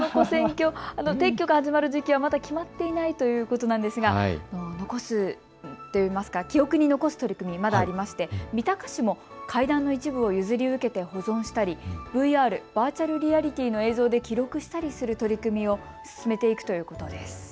線橋、撤去が始まる時期はまだ決まっていないということなんですが残すといいますか、記憶に残す取り組み、まだありまして、三鷹市も階段の一部を譲り受けて保存したりＶＲ・バーチャルリアリティーの映像で記録したりする取り組みを進めていくということです。